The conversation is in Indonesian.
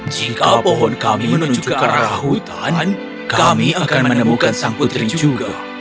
jika pohon kami menuju ke arah hutan kami akan menemukan sang putri juga